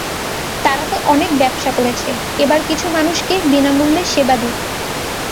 তারা তো অনেক ব্যবসা করেছে, এবার কিছু মানুষকে বিনা মূল্যে সেবা দিক।